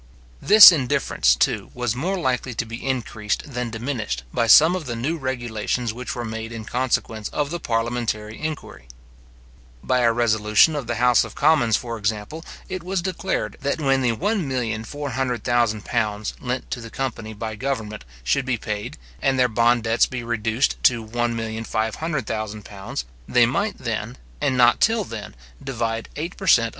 This indifference, too, was more likely to be increased than diminished by some of the new regulations which were made in consequence of the parliamentary inquiry. By a resolution of the house of commons, for example, it was declared, that when the £1,400,000 lent to the company by government, should be paid, and their bond debts be reduced to £1,500,000, they might then, and not till then, divide eight per cent.